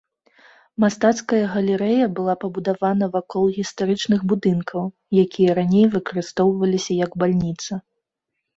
Мастацкая галерэя была пабудавана вакол гістарычных будынкаў, якія раней выкарыстоўваліся як бальніца.